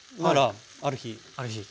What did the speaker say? ある日。